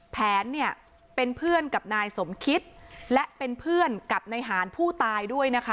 แผนเนี่ยเป็นเพื่อนกับนายสมคิตและเป็นเพื่อนกับนายหารผู้ตายด้วยนะคะ